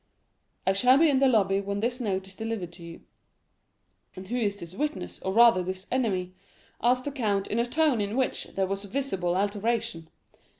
I shall be in the lobby when this note is delivered to you.' "'And who is this witness, or rather this enemy?' asked the count, in a tone in which there was a visible alteration.